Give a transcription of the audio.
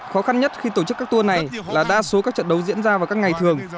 khó khăn nhất khi tổ chức các tour này là đa số các trận đấu diễn ra vào các ngày thường